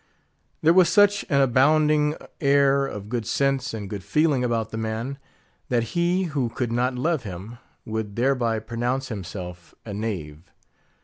There was such an abounding air of good sense and good feeling about the man, that he who could not love him, would thereby pronounce himself a knave.